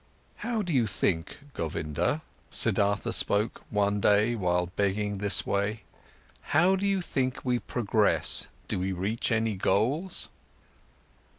"How do you think, Govinda," Siddhartha spoke one day while begging this way, "how do you think did we progress? Did we reach any goals?"